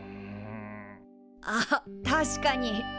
あっ確かに。